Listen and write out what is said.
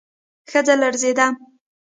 ښځه لړزېده.